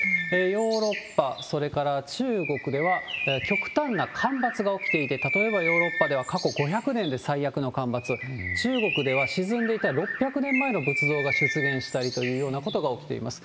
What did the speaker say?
ヨーロッパ、それから中国では、極端な干ばつが起きていて、例えば、ヨーロッパでは過去５００年で最悪の干ばつ、中国では沈んでいた６００年前の仏像が出現したりというようなことが起きています。